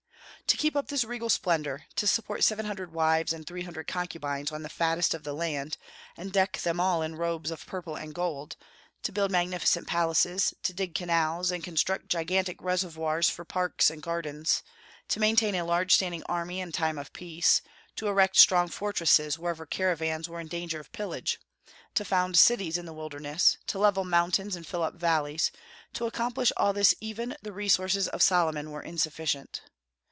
To keep up this regal splendor, to support seven hundred wives and three hundred concubines on the fattest of the land, and deck them all in robes of purple and gold; to build magnificent palaces, to dig canals, and construct gigantic reservoirs for parks and gardens; to maintain a large standing army in time of peace; to erect strong fortresses wherever caravans were in danger of pillage; to found cities in the wilderness; to level mountains and fill up valleys, to accomplish all this even the resources of Solomon were insufficient.